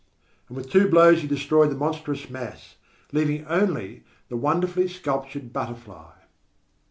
And with two blows he destroyed the monstrous mass, leaving only the wonderfully sculptured butterfly.